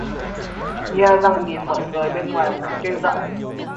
nhe răng nhìn mọi người bên ngoài một cách ghê rợn